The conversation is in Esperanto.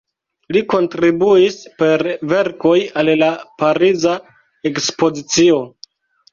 Li kontribuis per verkoj al la Pariza Ekspozicio.